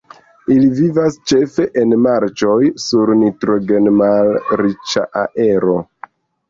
Ili vivas ĉefe en marĉoj, sur nitrogen-malriĉa aero.